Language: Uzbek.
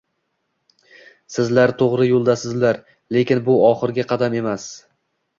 Sizlar to‘g‘ri yo‘ldasizlar, lekin bu oxirgi qadam emas